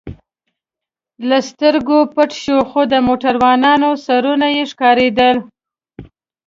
له سترګو پټ شو، خو د موټروانانو سرونه یې ښکارېدل.